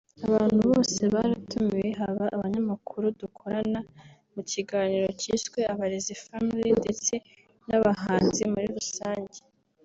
“Abantu bose baratumiwe haba abanyamakuru dukorana mu kiganiro cyiswe Abarezi Family ndtse n’abahanzi muri rusange